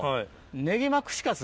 ねぎま串カツ。